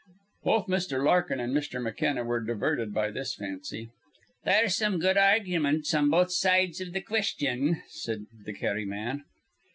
Both Mr. Larkin and Mr. McKenna were diverted by this fancy. "There's some good argumints on both sides iv th' quisthion," said the Kerry man.